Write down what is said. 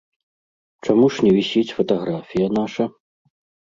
Чаму ж не вісіць фатаграфія наша?